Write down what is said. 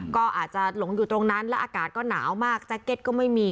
ก็อาจจะหลงอยู่ตรงนั้นแล้วอากาศก็หนาวมากแจ็คเก็ตก็ไม่มี